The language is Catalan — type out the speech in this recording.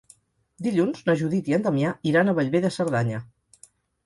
Dilluns na Judit i en Damià iran a Bellver de Cerdanya.